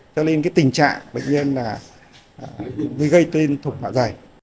cho nên tình trạng bệnh nhân gây tên thủng mạ dày